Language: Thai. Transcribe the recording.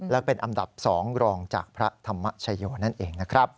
และเป็นอันดับ๒รองจากพระธรรมชโยนั่นเองนะครับ